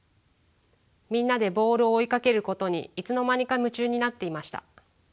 みんなでボールを追いかけることにいつの間にか夢中になっていました。